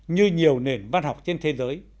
như nhiều nền văn học trên thế giới